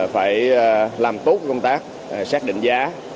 phải làm tốt công tác xác định giá